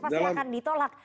pasti akan ditolak